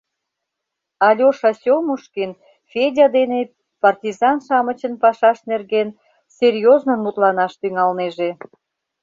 Алёша Сёмушкин Федя дене партизан-шамычын пашашт нерген серьезнын мутланаш тӱҥалнеже.